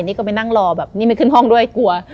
นี่มันขึ้นห้องด้วยกลัว